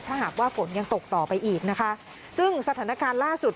ถ้าหากว่าฝนยังตกต่อไปอีกนะคะซึ่งสถานการณ์ล่าสุด